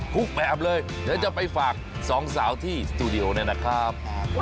ทุกแบบเลยเดี๋ยวจะไปฝากสองสาวที่สตูดิโอเนี่ยนะครับ